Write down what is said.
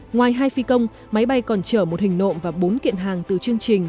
ngoài hai phi công máy bay còn chở một hình nộm và bốn kiện hàng từ chương trình